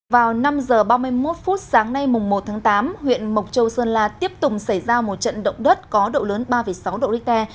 vào năm h ba mươi một phút sáng nay mùng một tháng tám huyện mộc châu sơn la tiếp tục xảy ra một trận động đất có độ lớn ba sáu độ richter